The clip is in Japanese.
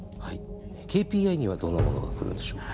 ＫＰＩにはどんなものが来るんでしょう？